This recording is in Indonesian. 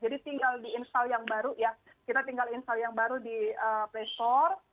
jadi tinggal di install yang baru ya kita tinggal install yang baru di playstore